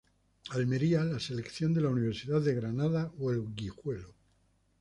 Almería, la selección de la Universidad de Granada o el Guijuelo.